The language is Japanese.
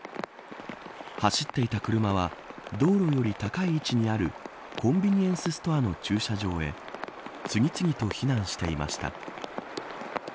走っていた車は道路より高い位置にあるコンビニエンスストアの駐車場へ次々と避難していました。